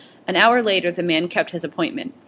An hour later the man kept his appointment.